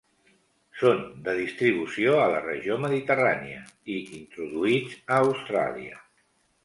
Són de distribució a la regió mediterrània i introduïts a Austràlia.